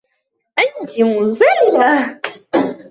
أنتِ منفعلة.